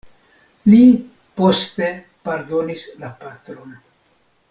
Li poste pardonis la patron.